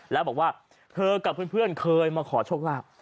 แล้วบอกว่าเธอกับเพื่อนเคยมาขอโชคลาภ